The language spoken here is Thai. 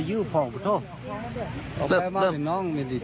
เกรยหายไปอย่างไร